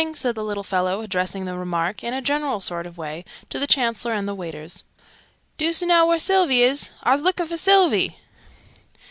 said the little fellow, addressing the remark, in a general sort of way, to the Chancellor and the waiters. "Doos oo know where Sylvie is? I's looking for Sylvie!"